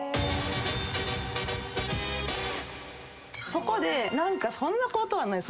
そこで何かそんなことはない。